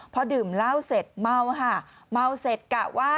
พอดื่มเหล้าเสร็จเมาค่ะเมาเสร็จกะว่า